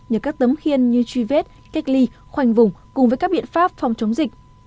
nhờ các tấm khiên như truy vết cách ly khoanh vùng cùng với các biện pháp phòng chống dịch